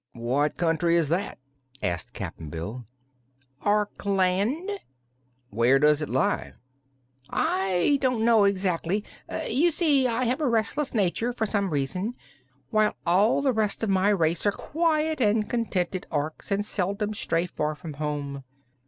"What country is that?" asked Cap'n Bill. "Orkland." "Where does it lie?" "I don't know, exactly. You see, I have a restless nature, for some reason, while all the rest of my race are quiet and contented Orks and seldom stray far from home.